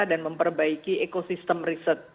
dan memperbaiki ekosistem riset